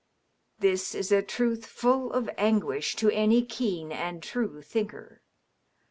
This is a truth fiiU of anguish to any keen and true thinker.